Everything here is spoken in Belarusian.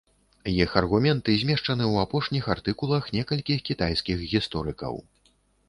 Іх аргументы змешчаны ў апошніх артыкулах некалькіх кітайскіх гісторыкаў.